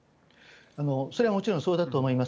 それはもちろん、そうだと思います。